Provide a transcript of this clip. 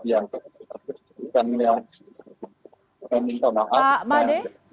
dan yang yang minta maaf